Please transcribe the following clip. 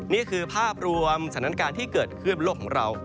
นี่คือภาพรวมสถานการณ์ที่เกิดขึ้นบนโลกของเรา